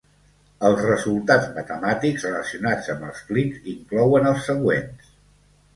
Els resultats matemàtics relacionats amb els clics inclouen els següents.